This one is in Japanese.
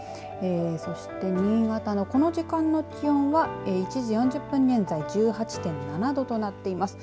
そして新潟のこの時間の気温は１時４０分現在１８．７度となっています。